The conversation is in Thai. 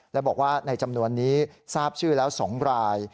และบอกว่าในจำนวนนี้ทราบชื่อแล้ว๒ราย